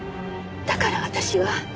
だから私は。